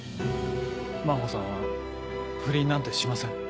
真帆さんは不倫なんてしません。